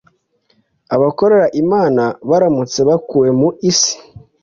Abakorera Imana baramutse bakuwe mu isi